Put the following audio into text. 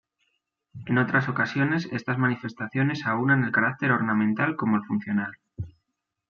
En otras ocasiones, estas manifestaciones aúnan el carácter ornamental como el funcional.